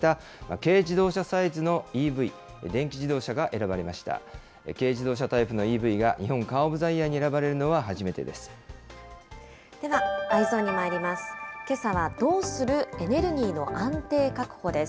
軽自動車タイプのＥＶが日本カー・オブ・ザ・イヤーに選ばれるのでは、Ｅｙｅｓｏｎにまいります。